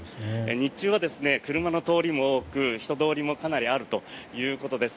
日中は車の通りも多く、人通りもかなりあるということです。